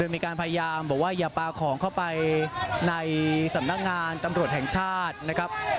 มีการพยายามบอกว่าอย่าปลาของเข้าไปในสำนักงานตำรวจแห่งชาตินะครับ